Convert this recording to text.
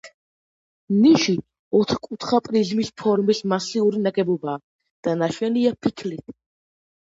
ნიში ოთხკუთხა პრიზმის ფორმის მასიური ნაგებობაა და ნაშენია ფიქლით.